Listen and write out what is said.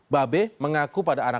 babi mengaku pada anggota bnr com